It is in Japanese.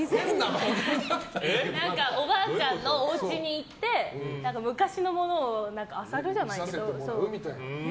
おばあちゃんのおうちに行って昔のものを漁るじゃないけど。